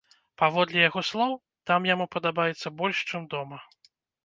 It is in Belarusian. Паводле яго слоў, там яму падабаецца больш, чым дома.